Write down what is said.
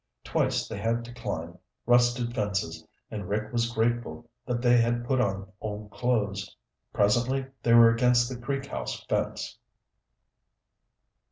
Twice they had to climb rusted fences and Rick was grateful that they had put on old clothes. Presently they were against the Creek House fence.